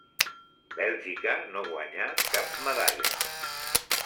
Bèlgica no guanyà cap medalla.